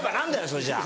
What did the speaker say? それじゃあ。